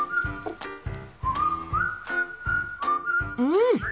うん！